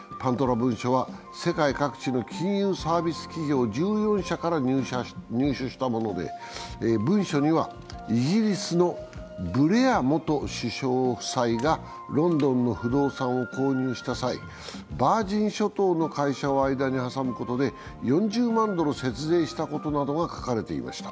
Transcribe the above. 文書は世界各地の金融サービス企業１４社から入手したもので文書にはイギリスのブレア元首相夫妻がロンドンの不動産を購入した際、ヴァージン諸島の会社を間に挟むことで４０万ドル節税したことなどが書かれていました。